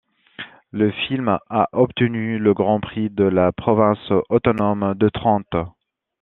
Le film a obtenu le Grand Prix de la province Autonome de Trente.